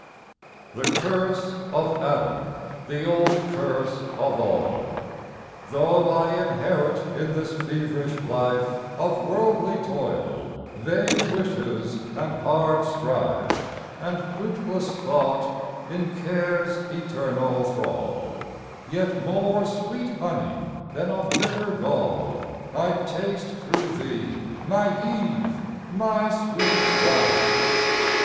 The curse of Adam, the old curse of all, Though I inherit in this feverish life Of worldly toil, vain wishes, and hard strife, And fruitless thought, in Care's eternal thrall, Yet more sweet honey than of bitter gall I taste, through thee, my Eve, my sweet wife.